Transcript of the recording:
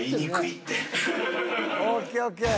［ＯＫＯＫ］